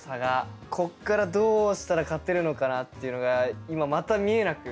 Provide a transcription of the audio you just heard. ここからどうしたら勝てるのかなっていうのが今また見えなく。